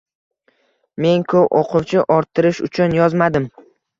Men ko’p o’quvchi orttirish uchun yozmadim.